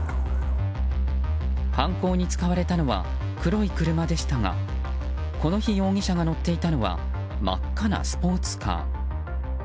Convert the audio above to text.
犯行に使われたのは黒い車でしたがこの日、容疑者が乗っていたのは真っ赤なスポーツカー。